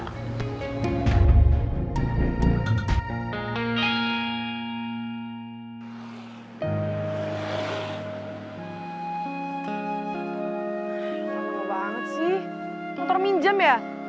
gila banget sih motor minjem ya